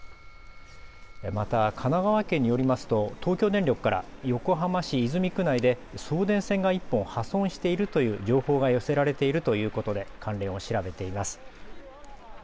また、神奈川県によりますと東京電力から横浜市泉区内で送電線が１本破損しているという情報が寄せられているということで関連を調べています。